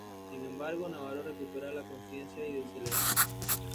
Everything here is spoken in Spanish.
Sin embargo, Navarro recupera la consciencia y se levanta.